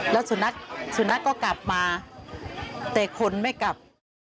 แล้วสุนัขสุนัขก็กลับมาแต่คนไม่กลับ